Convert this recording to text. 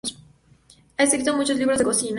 Ha escrito muchos libros de cocina.